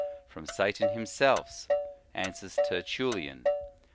" From Satan himself," answers Tertullian.